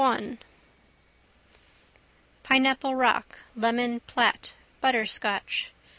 8 ] Pineapple rock, lemon platt, butter scotch.